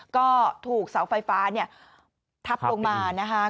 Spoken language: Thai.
ก็ถูกเสาไฟฟ้าทับลงมา